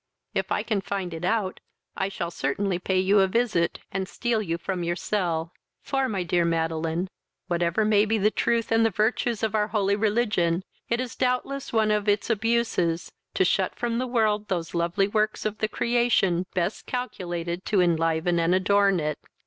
If I can find it out, I shall certainly pay you a visit, and steal you from your cell; for, my dear Madeline, whatever may be the truth and the virtues of our holy religion, it is doubtless one of its abuses to shut from the world those lovely works of the creation best calculated to enliven and adorn it.